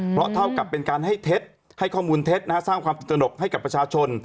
เพราะเท่ากับเป็นการให้เท็จให้ข้อมูลเท็จสร้างความตื่นตนกให้กับประชาชน